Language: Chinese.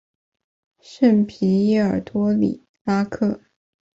圣皮耶尔多里拉克。